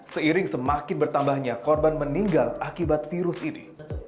seiring semakin bertambahnya korban meninggal akibat virus ini